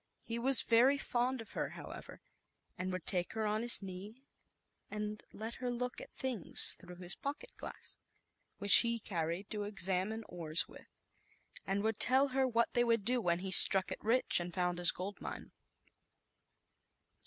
He was very fond of her, however, and would take her on his knee and let her look at things through his pocket glass, which he carried to examine ores with, and would tell her what they would do when he " struck it rich," and found his gold mine.